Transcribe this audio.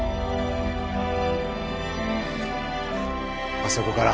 あそこから。